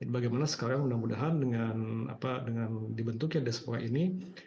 bagaimana sekarang mudah mudahan dengan dibentuknya diaspora ini